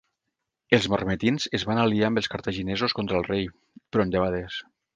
Els mamertins es van aliar amb els cartaginesos contra el rei, però en debades.